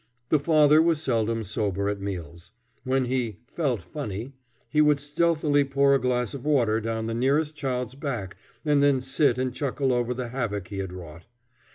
The father was seldom sober at meals. When he "felt funny," he would stealthily pour a glass of water down the nearest child's back and then sit and chuckle over the havoc he had wrought.